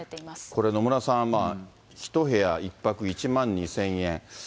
これ、野村さん、１部屋１泊１万２０００円。